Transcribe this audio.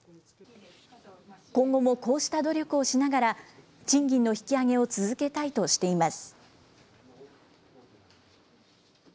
今後もこうした努力をしながら、賃金の引き上げを続けたいとしています。